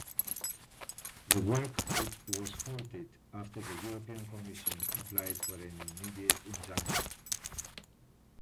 The work was halted after the European Commission applied for an immediate injunction.